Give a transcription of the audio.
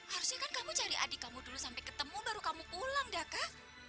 harusnya kan kamu cari adik kamu dulu sampai ketemu baru kamu pulang daka